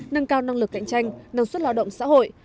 nâng cao năng lực cạnh tranh năng suất lao động xã hội